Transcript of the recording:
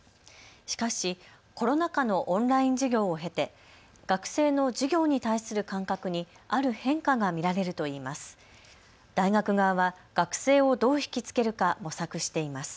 しかしコロナ禍のオンライン授業を経て学生の授業に対する感覚にある変化が見られるといいます。